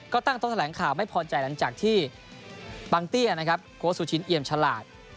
ก็ตั้งโต๊ะแถลงข่าวไม่พอใจหลังจากที่บางเตี้ยนะครับโค้ชสุชินเอี่ยมฉลาด